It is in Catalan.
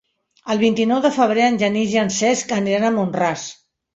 El vint-i-nou de febrer en Genís i en Cesc aniran a Mont-ras.